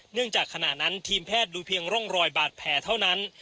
จากขณะนั้นทีมแพทย์ดูเพียงร่องรอยบาดแผลเท่านั้น